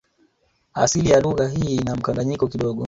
Asili ya lugha hii ina mkanganyo kidogo